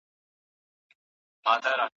هغه خپله دنده په پوره صداقت سره ترسره کوي.